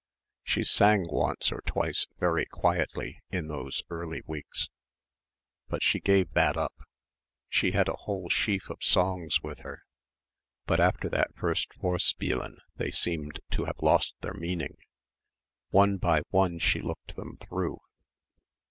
She sang once or twice, very quietly, in those early weeks. But she gave that up. She had a whole sheaf of songs with her. But after that first Vorspielen they seemed to have lost their meaning. One by one she looked them through.